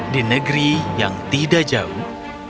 di negeri yang tidak jauh